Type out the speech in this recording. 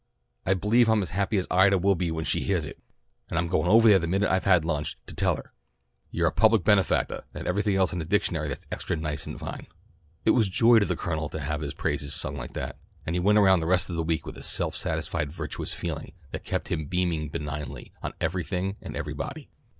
I believe I'm as happy as Ida will be when she heahs it, and I'm going ovah there the minute I've had lunch, to tell her. You're a public benefactah and everything else in the dictionary that's extra nice and fine." It was joy to the Colonel to have his praises sung like that, and he went around the rest of the week with a self satisfied virtuous feeling that kept him beaming benignly on everything and everybody.